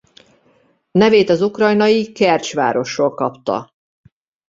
Nevét az ukrajnai Kercs városról kapta.